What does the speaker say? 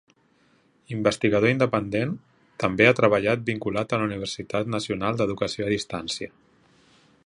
Investigador independent, també ha treballat vinculat a la Universitat Nacional d'Educació a Distància.